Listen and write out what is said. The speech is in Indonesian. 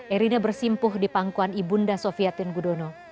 erina bersimpuh di pangkuan ibunda sofia tun gudono